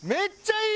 いい！